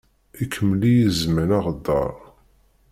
Ikemmel-iyi zman aɣeddaṛ.